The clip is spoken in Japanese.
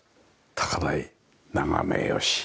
高台眺め良し。